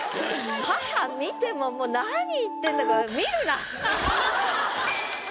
「母観て」ももう何言ってんだか。